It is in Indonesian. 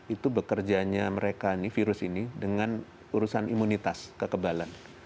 itu bekerjanya mereka virus ini dengan urusan imunitas kekebalan